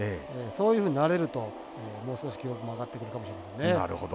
そういうふうになれるともう少し記録も上がってくるかもしれませんね。